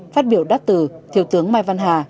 phát biểu đắt từ thiếu tướng mai văn hà